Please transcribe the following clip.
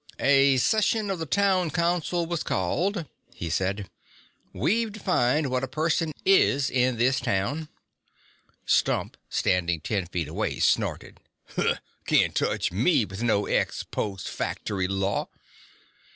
"A session of the Town Council was called," he said. "We've defined what a person is in this town " Stump, standing ten feet away, snorted. "Can't touch me with no ex post factory law."